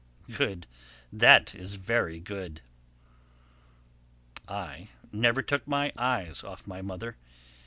Good, that is, very good." I never took my eyes off my mother.